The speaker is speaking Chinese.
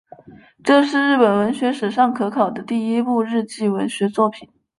这是日本文学史上可考的第一部日记文学作品。